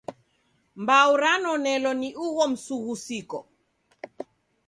Mbau ranonelo ni ugho msughusiko.